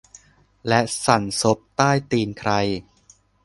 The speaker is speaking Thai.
และสั่นซบใต้ตีนใคร